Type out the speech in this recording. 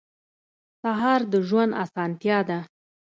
سهار د ژوند اسانتیا ده.